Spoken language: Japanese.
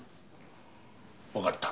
わかった。